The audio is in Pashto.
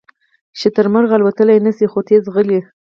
شترمرغ الوتلی نشي خو تېز ځغلي